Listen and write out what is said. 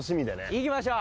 いきましょう。